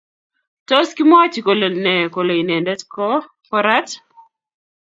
Tos, kimwochi kole ne kole inendet ko korat?